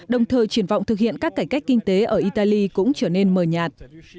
đồng thời triển vọng thực hiện các cải cách kinh tế ở italy cũng forever mờ nhạt